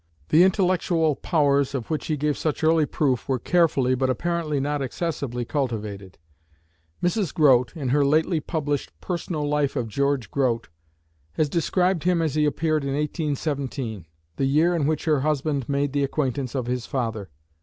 The intellectual powers of which he gave such early proof were carefully, but apparently not excessively, cultivated. Mrs. Grote, in her lately published "Personal Life of George Grote," has described him as he appeared in 1817, the year in which her husband made the acquaintance of his father.